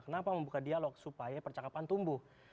kenapa membuka dialog supaya percakapan tumbuh